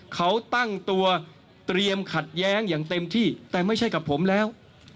เขาตั้งตัวเตรียมขัดแย้งอย่างเต็มที่แต่ไม่ใช่กับผมแล้ว